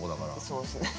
◆そうですね。